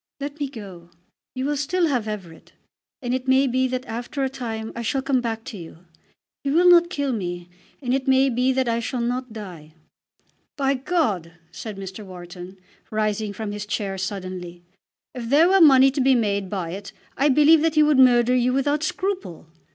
Let me go. You will still have Everett. And it may be that after a time I shall come back to you. He will not kill me, and it may be that I shall not die." "By God!" said Mr. Wharton, rising from his chair suddenly, "if there were money to be made by it, I believe that he would murder you without scruple."